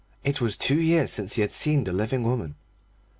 It was two years since he had seen the living woman.